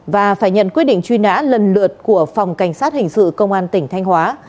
và phải nhận quyết định truy nã lần lượt của phòng cảnh sát hình sự công an tỉnh thanh hóa